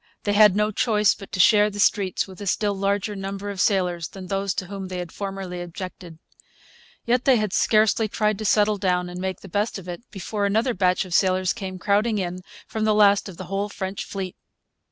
They had no choice but to share the streets with a still larger number of sailors than those to whom they had formerly objected. Yet they had scarcely tried to settle down and make the best of it before another batch of sailors came crowding in from the last of the whole French fleet.